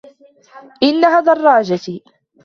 إنها دراجتي.